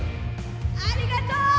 ありがとう！